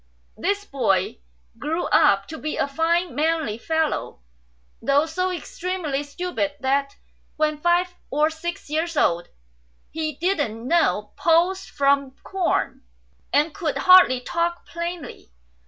This boy grew up to be a fine manly fellow, though so extremely stupid that when five or six years old he didn't know pulse from corn, and could hardly talk plainly.